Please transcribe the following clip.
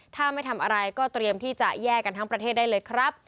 ถ้าไม่ทำอะไรก็เตรียมที่จะแยกกันทั้งประเทศได้เลยครับ